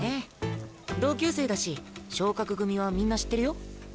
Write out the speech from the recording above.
同級生だし昇格組はみんな知ってるよ。